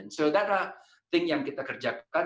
jadi itu adalah hal yang kita kerjakan